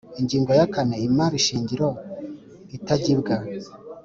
Ingingo ya kane Imari shingiro itagibwa